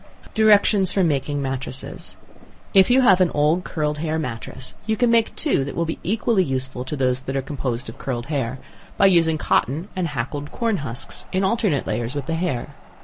Directions for Making Matresses. If you have an old curled hair matress, you can make two, that will be equally useful as those that are composed of curled hair, by using cotton and hackled corn husks, in alternate layers with the hair.